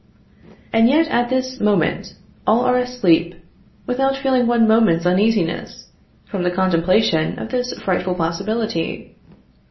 And yet at this moment all are asleep, without feeling one moment's uneasiness, from the contemplation of this frightful possibility.